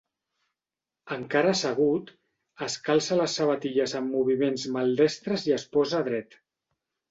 Encara assegut, es calça les sabatilles amb moviments maldestres i es posa dret.